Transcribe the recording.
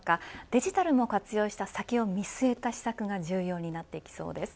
デジタルも活用した先を見据えた施策が重要になってきそうです。